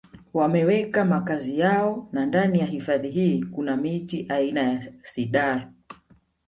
Wameweka makazi yao na ndani ya hifadhi hii kuna miti aina ya Cidar